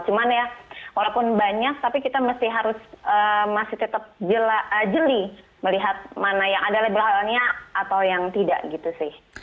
cuman ya walaupun banyak tapi kita masih harus masih tetap jeli melihat mana yang ada label halalnya atau yang tidak gitu sih